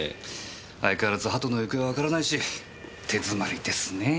相変わらず鳩の行方はわからないし手詰まりですねぇ。